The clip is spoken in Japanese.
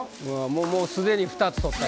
もうすでに２つ取ったよ